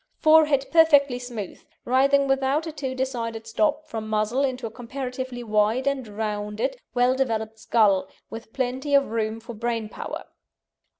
Forehead perfectly smooth, rising without a too decided stop from muzzle into a comparatively wide and rounded, well developed skull, with plenty of room for brain power.